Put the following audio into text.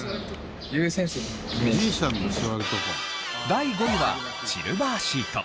第５位はシルバーシート。